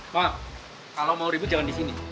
mak kalau mau ribut jangan di sini